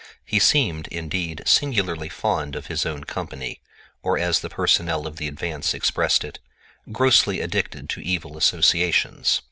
He seemed, indeed, singularly fond of his own company—or, as the personnel of the Advance expressed it, "grossly addicted to evil associations."